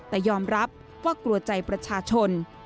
แต่ยอมรับว่ากลัวใจประชาชน